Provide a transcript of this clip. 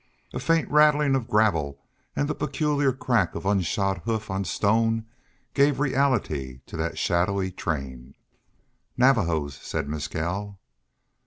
A faint rattling of gravel and the peculiar crack of unshod hoof on stone gave reality to that shadowy train. "Navajos," said Mescal.